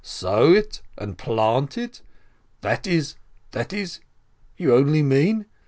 Sow it and plant it?! That is ... that is ... you only mean